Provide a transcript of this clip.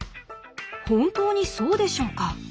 本当にそうでしょうか？